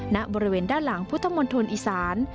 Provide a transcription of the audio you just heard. ณบริเวณด้านหลังพุทธมณฑลอีสาน